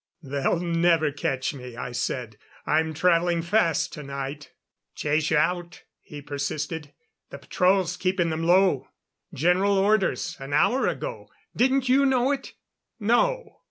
"They'll never catch me," I said. "I'm traveling fast tonight." "Chase you out," he persisted. "The patrol's keeping them low. General Orders, an hour ago. Didn't you know it?" "No."